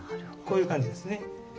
こういう感じですね。